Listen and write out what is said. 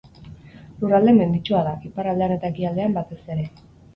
Lurralde menditsua da, iparraldean eta ekialdean batez ere.